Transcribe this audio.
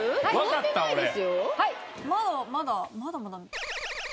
まだまだまだまだ。